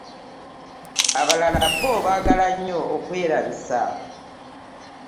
Abalala bo bagala nnyo okwerabisa.